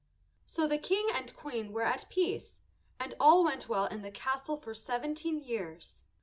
So the King and Queen were at peace, and all went well in the castle for seventeen years.